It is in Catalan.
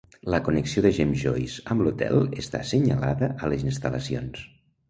La connexió de James Joyce amb l'hotel està senyalada a les instal·lacions.